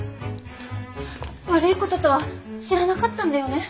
悪いこととは知らなかったんだよね？